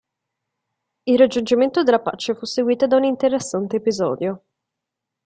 Il raggiungimento della pace fu seguito da un interessante episodio.